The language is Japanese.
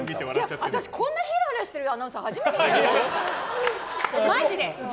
私、こんなヘラヘラしてるアナウンサー初めて見ました。